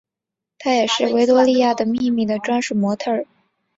她也是维多利亚的秘密的专属模特儿。